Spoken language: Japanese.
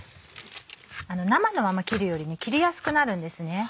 生のまま切るより切りやすくなるんですね。